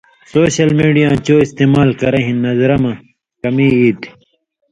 سوشل میڈیاں چو استعمال کرَیں ہِن نظرہ مہ کمی ایتھی